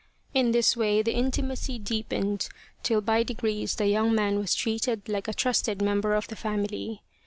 In this way the intimacy deepened till by degrees the young man was treated like a trusted member of the family.